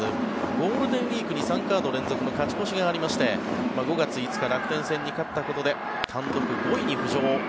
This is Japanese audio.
ゴールデンウィークに３カード連続の勝ち越しがありまして５月５日、楽天戦に勝ったことで単独５位に浮上。